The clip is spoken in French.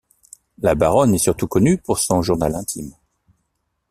La baronne est surtout connue pour son journal intime.